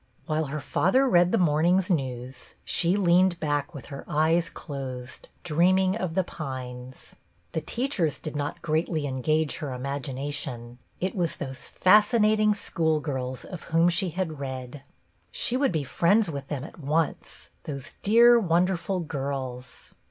While her father read the morning's news, she leaned back with her eyes closed, dream » ing of The Pines. The teachers did not greatly engage her imagination ; it was those fascinating schoolgirls of whom she had read. She would be friends with them at once, those dear, wonderful girls